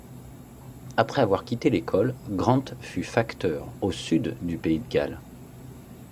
Après avoir quitté l'école, Grant fut facteur, au sud du Pays de Galles.